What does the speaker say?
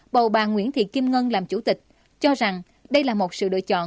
bầu bà nguyễn thị kim ngân làm chủ tịch cho rằng đây là một sự lựa chọn